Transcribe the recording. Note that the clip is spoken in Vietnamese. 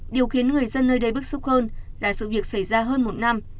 điều khiến người dân nơi đây bức xúc hơn là sự việc xảy ra hơn một năm